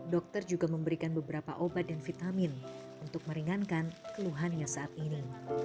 dokter juga memberikan beberapa obat dan vitamin untuk meringankan keluhannya saat ini